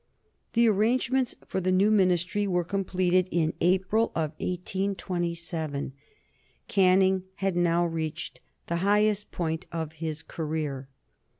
The arrangements for the new Ministry were completed in April, 1827. Canning had now reached the highest point of his career.